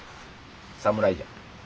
侍じゃ。